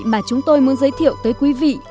mà chúng tôi muốn giới thiệu tới quý vị